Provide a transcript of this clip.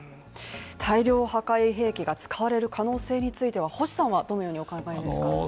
大量破壊兵器が使われる可能性については、星さんはどのようにお考えですか。